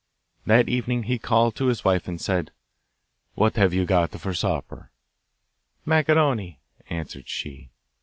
That evening he called to his wife and said, 'What have you got for supper?' 'Macaroni,' answered she.